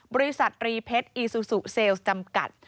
บริษัทรีเพชรอีซูซูเซลล์จำกัด